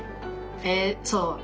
えそう。